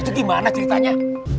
itu gimana ceritanya